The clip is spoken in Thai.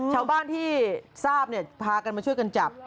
ชาวบ้านที่ทราบพากันมาช่วยกันจับ